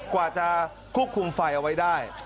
กว่าจะควบคุมไฟเอาไว้ได้